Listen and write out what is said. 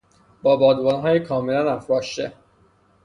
با بادبانهای کاملا افراشته